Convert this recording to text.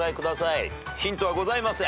ヒントはございません。